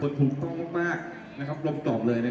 คุณภูมิมากนะครับรบต่อเลยนะครับ